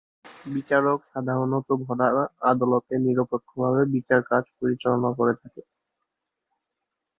বিচারক সাধারণত ভরা আদালতে নিরপেক্ষভাবে বিচার কাজ পরিচালনা করে থাকে।